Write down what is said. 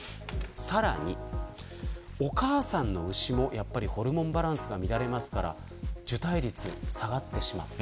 さらにお母さんの牛もホルモンバランスが乱れて受胎率が下がってしまった。